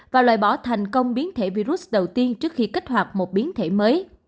và loại bỏ thành công biến thể virus đầu tiên trước khi kích hoạt một biến thể mới